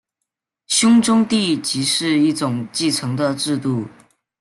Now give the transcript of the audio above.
兄终弟及是一种继承的制度。